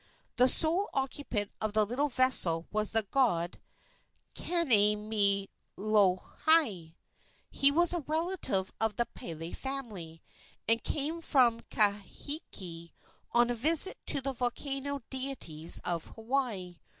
The sole occupant of the little vessel was the god Kanemilohai. He was a relative of the Pele family, and came from Kahiki on a visit to the volcanic deities of Hawaii.